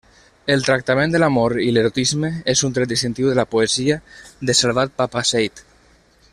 El tractament de l'amor i l'erotisme és un tret distintiu de la poesia de Salvat-Papasseit.